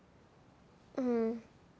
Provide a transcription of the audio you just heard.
うん。